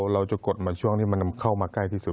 กดมาช่วงที่มันเข้ามาใกล้ที่สุด